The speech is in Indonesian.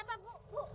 pak pak pak